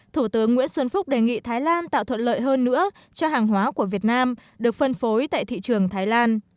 thủ tướng nguyễn xuân phúc đề nghị thái lan tạo thuận lợi hơn nữa cho hàng hóa của việt nam được phân phối tại thị trường thái lan